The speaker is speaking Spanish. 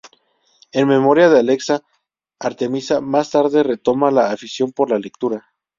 En memoria de Alexa, Artemisa más tarde retoma la afición por la lectura.